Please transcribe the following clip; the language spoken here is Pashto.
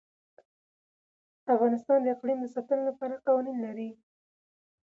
افغانستان د اقلیم د ساتنې لپاره قوانین لري.